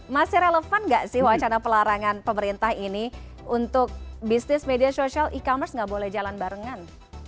masih relevan nggak sih wacana pelarangan pemerintah ini untuk bisnis media sosial e commerce gak boleh jalan barengan